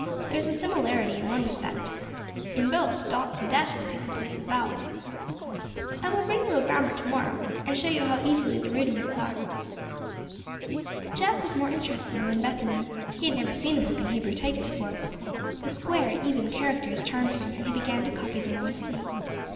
There is a similarity in one respect. In both, dots and dashes take the place of vowels. I will bring you a grammar to morrow, and show you how easy the rudiments are." Jack was more interested than Bethany. He had never seen a book in Hebrew type before. The square, even characters charmed him, and he began to copy them on his slate.